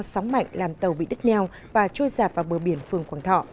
sáng mạnh làm tàu bị đứt neo và trôi giạt vào bờ biển phương quảng thọ